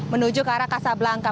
menuju ke arah kasab langka